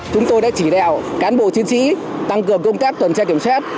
chúng tôi đã chỉ đạo cán bộ chiến sĩ tăng cường công tác tuần tra kiểm soát